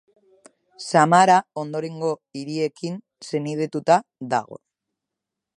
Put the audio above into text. Samara ondorengo hiriekin senidetuta dago.